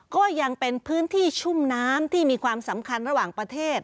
ก็ยังเป็นพื้นที่ชุ่มน้ำที่มีความสำคัญระหว่างประเทศ